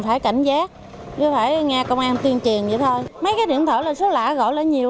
phải cảnh giác chứ phải nghe công an tuyên truyền vậy thôi mấy cái điện thoại là số lạ gọi là nhiều